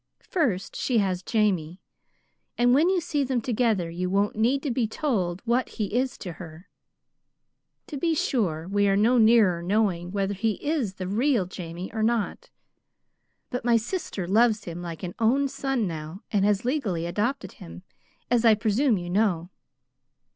"First she has Jamie, and when you see them together you won't need to be told what he is to her. To be sure, we are no nearer knowing whether he is the REAL Jamie, or not, but my sister loves him like an own son now, and has legally adopted him, as I presume you know.